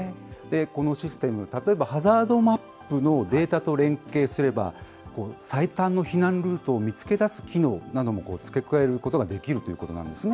このシステム、例えばハザードマップのデータと連携すれば、最短の避難ルートを見つけ出す機能なども付け加えることができるということなんですね。